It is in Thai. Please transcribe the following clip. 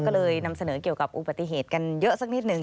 ก็เลยนำเสนอเกี่ยวกับอุบัติเหตุกันเยอะสักนิดหนึ่ง